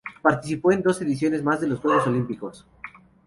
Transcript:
Participó en en dos ediciones más de los Juegos Olímpicos.